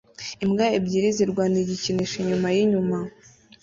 Imbwa ebyiri zirwanira igikinisho inyuma yinyuma